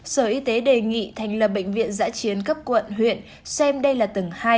sở y tế đề nghị thành lập bệnh viện giã chiến cấp quận huyện xem đây là tầng hai